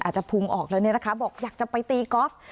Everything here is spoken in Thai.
จะพุงออกแล้วเนี่ยนะคะบอกอยากจะไปตีกอล์ฟ